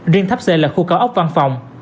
riêng tháp c là khu cao ốc văn phòng